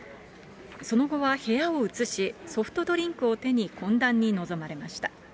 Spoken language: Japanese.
その後は部屋を移し、ソフトドリンクを手に懇談に臨まれました。